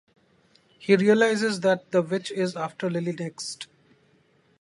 He realizes that the witch is after Lily next.